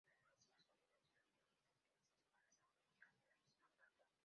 Las flores, masculinas y femeninas crecen separadas aunque en la misma planta.